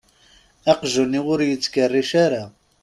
Aqjun-iw ur yettkerric ara.